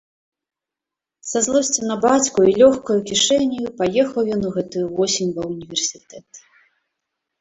Са злосцю на бацьку і лёгкаю кішэняю паехаў ён у гэтую восень ва універсітэт.